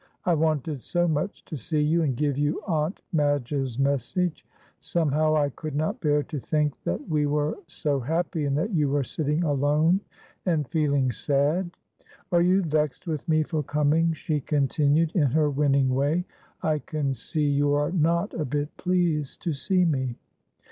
"I wanted so much to see you and give you Aunt Madge's message. Somehow I could not bear to think that we were so happy and that you were sitting alone and feeling sad. Are you vexed with me for coming?" she continued, in her winning way; "I can see you are not a bit pleased to see me."